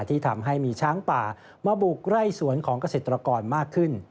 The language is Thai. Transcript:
ที่ทำให้มีช้างป่ามาบุกไร่สวนของเกษตรกรมากขึ้น